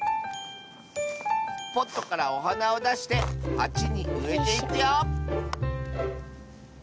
ポットからおはなをだしてはちにうえていくよ